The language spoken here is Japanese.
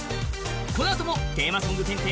このあともテーマソング検定